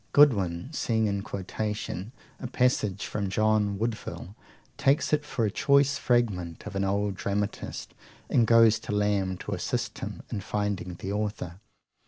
Godwin, seeing in quotation a passage from John Woodvil, takes it for a choice fragment of an old dramatist, and goes to Lamb to assist him in finding the author.